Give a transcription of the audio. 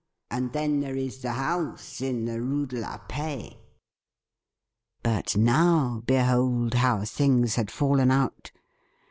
And then there is the house in the Rue de la Paix.' But now behold how things had fallen out